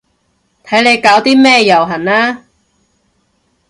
睇你搞啲咩遊行啦